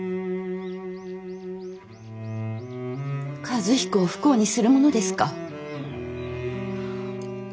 和彦を不幸にするものですか。